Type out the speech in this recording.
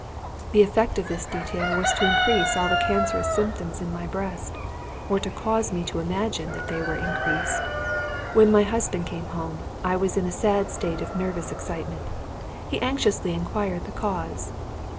The effect of this detail was to increase all the cancerous symptoms in my breast, or to cause me to imagine that they were increased. When my husband came home, I was in a sad state of nervous excitement. He anxiously inquired the cause.